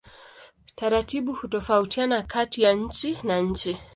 Taratibu hutofautiana kati ya nchi na nchi.